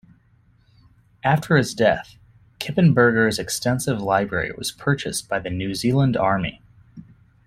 After his death, Kippenberger's extensive library was purchased by the New Zealand Army.